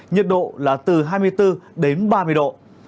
nhiệt độ là từ hai mươi bốn đến ba mươi độ